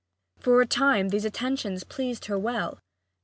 For a time these attentions pleased her well.